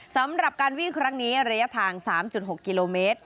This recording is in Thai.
สำหรับการวิ่งครั้งนี้ระยะทาง๓๖กิโลเมตร